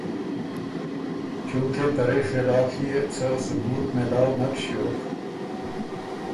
چونکې ته رئ خلاف يې څه ثبوت مېلاؤ نک ݭیوک